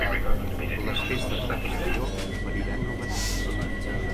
Les festes de Castelló oferiran novetats.